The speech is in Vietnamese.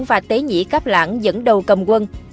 và tế nhĩ cáp lãng dẫn đầu cầm quân